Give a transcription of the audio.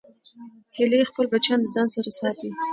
هیلۍ خپل بچیان د ځان سره ساتي